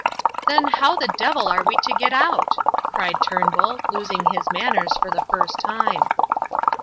"Then, how the devil are we to get out?" cried Turnbull, losing his manners for the first time.